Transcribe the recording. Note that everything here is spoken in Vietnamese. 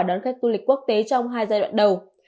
đón khách du lịch quốc tế trong hai giai đoạn đầu